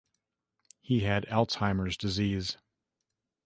He had Alzheimer's disease.